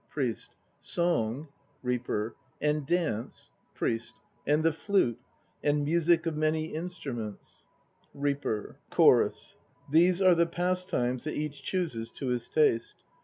PRIEST. Song ... REAPER. And dance ... PRIEST. And the flute ... And music of many instruments ... REAPER. CHORUS. These are the pastimes that each chooses to his taste.